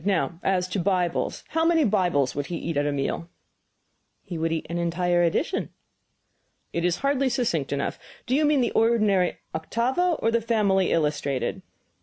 Now, as to Bibles. How many Bibles would he eat at a meal?" "He would eat an entire edition." "It is hardly succinct enough. Do you mean the ordinary octavo, or the family illustrated?"